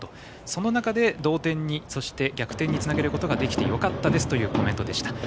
その中で同点に逆転につなげることができてよかったというコメントでした。